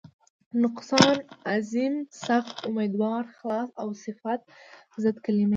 نقصان، عظیم، سخت، امیدوار، خلاص او صفت ضد کلمې دي.